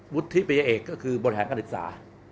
ที่ปริยเอกก็คือบริหารการศึกษา